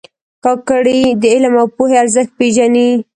کاکړي د علم او پوهې ارزښت پېژني.